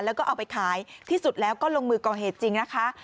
แล้วก็เอาไปขายที่สุดแล้วก็ลงมือก่อเหตุจริงนะคะ